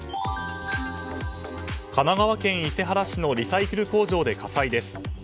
神奈川県伊勢原市のリサイクル工場で火災です。